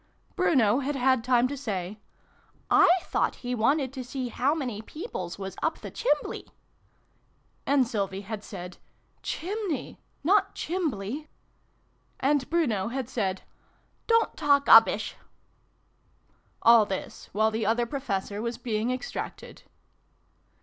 Bruno had had time to say " I thought he wanted to see how many peoples was up the chimbley." And Sylvie had said " Chimney not chimbley." And Bruno had said " Don't talk 'ubbish !" All this, while the Other Professor was being extracted.